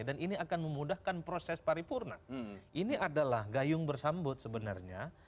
dan ini akan memudahkan proses paripurna ini adalah gayung bersambut sebenarnya